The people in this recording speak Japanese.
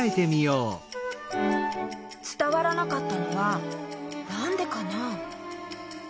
つたわらなかったのはなんでかな？